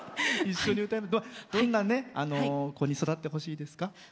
どんな子に育ってほしいですか？